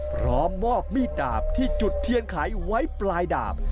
พร้อมมอบมีดดาบที่จุดเทียนขายไว้ปลายดาบ